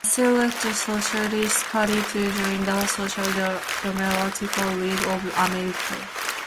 Russell left the Socialist Party to join the Social Democratic League of America.